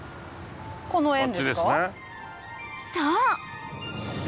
そう！